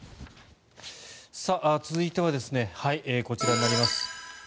続いてはこちらになります。